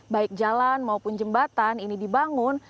baik jalan maupun jembatan ini dibangun